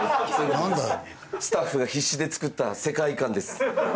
スタッフが必死で作った世界観です。